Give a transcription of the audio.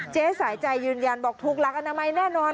สายใจยืนยันบอกถูกหลักอนามัยแน่นอน